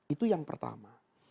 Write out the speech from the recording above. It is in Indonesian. itu yang pertama